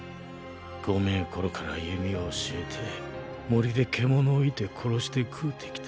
こめぇ頃から弓を教えて森で獣を射て殺して食うてきた。